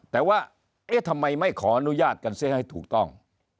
แต่ว่าเอ๊ะทำไมไม่ขออนุญาตกันเสียให้ถูกต้อง